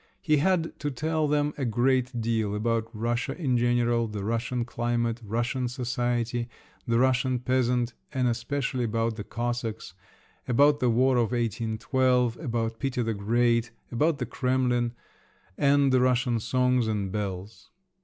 He had to tell them a great deal—about Russia in general, the Russian climate, Russian society, the Russian peasant—and especially about the Cossacks; about the war of 1812, about Peter the Great, about the Kremlin, and the Russian songs and bells.